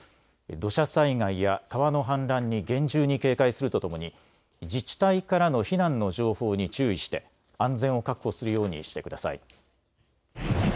土砂災害や川の氾濫に厳重に警戒するとともに自治体からの避難の情報に注意して安全を確保するようにしてください。